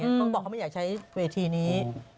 เมื่อวานค้าไม่อยากจะใช้เวทีนี้